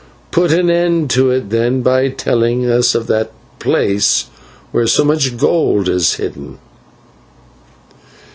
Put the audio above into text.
Put an end to it then by telling us of that place where so much gold is hidden."